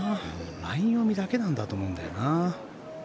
ライン読みだけだと思うんだよな。